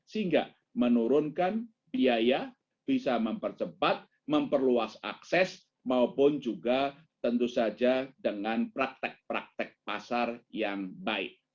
sehingga menurunkan biaya bisa mempercepat memperluas akses maupun juga tentu saja dengan praktek praktek pasar yang baik